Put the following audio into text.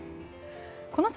この先